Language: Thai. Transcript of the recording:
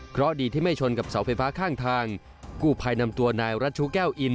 เพราะดีที่ไม่ชนกับเสาไฟฟ้าข้างทางกู้ภัยนำตัวนายรัชชูแก้วอิน